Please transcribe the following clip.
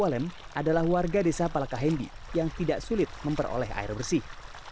walem adalah warga desa palakahembi yang tidak sulit memperoleh air bersih